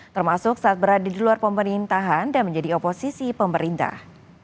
termasuk saat berada di luar pemerintahan dan menjadi oposisi pemerintah